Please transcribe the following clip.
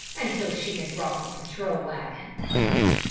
until she had brought the patrol wagon.